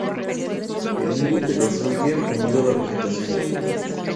El nido se construye unido a la vegetación.